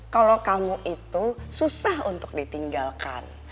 kalau kamu itu susah untuk ditinggalkan